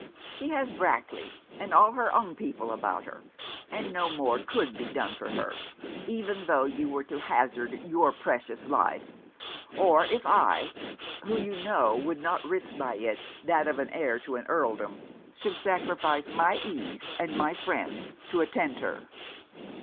She has Brackley, and all her own people about her; and no more could be done for her, even tho' you were to hazard your precious life, or if I, (who you know would not risk by it that of an heir to an Earldom) should sacrifice my ease and my friends to attend her.'